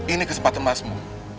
ini kesempatan masmu